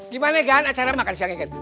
gimana gan acara makan siangnya kan